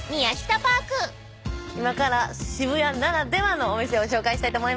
今から渋谷ならではのお店を紹介したいと思います。